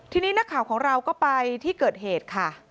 ทีนี้นักข่าวของเราก็ไปที่เกิดเหตุค่ะ